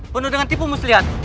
penuh dengan tipu muslihat